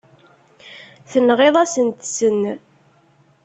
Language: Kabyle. Tenɣiḍ-asent-ten.